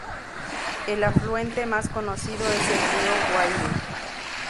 El afluente más conocido es el río Guaire.